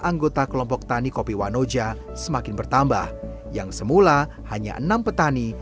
anggota kelompok tani kopi wanoja semakin bertambah yang semula hanya enam petani